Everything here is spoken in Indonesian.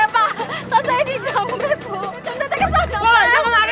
tata dia naik motor